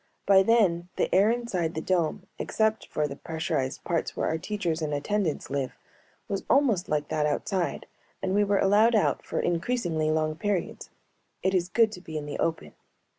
By then the air inside the dome except for the pressurized parts where our teachers and attendants live was almost like that outside, and we were allowed out for increasingly long periods. It is good to be in the open.